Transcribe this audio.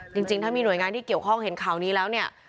จริงถ้ามีหน่วยงานที่เกี่ยวข้องเห็นข่าวนี้แล้วเนี่ย